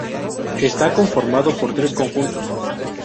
Está conformado por tres conjuntos.